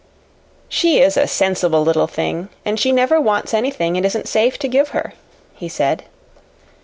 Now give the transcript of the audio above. "She is a sensible little thing, and she never wants anything it isn't safe to give her," he said.